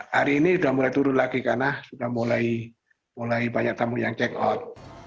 hari ini sudah mulai turun lagi karena sudah mulai banyak tamu yang check out